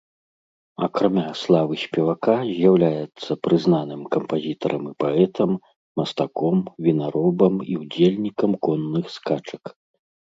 Акрамя славы спевака, з'яўляецца прызнаным кампазітарам і паэтам, мастаком, вінаробам і ўдзельнікам конных скачак.